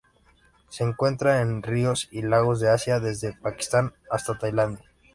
Se encuentra en ríos y lagos de Asia, desde Pakistán hasta Tailandia.